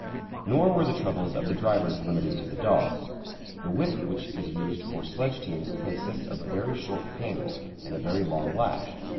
Nor were the troubles of the drivers limited to the dogs. The whip which is used for sledge teams consists of a very short handle and a very long lash.